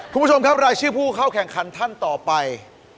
คุณผู้ชมครับรายชื่อผู้เข้าแข่งขันท่านต่อไป